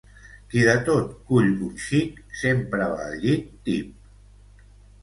Qui de tot cull un xic, sempre va al llit tip.